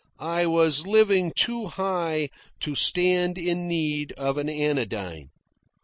I was living too high to stand in need of an anodyne.